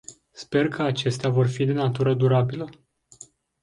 Sper că acestea vor fi de natură durabilă.